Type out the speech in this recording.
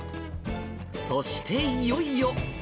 そしていよいよ。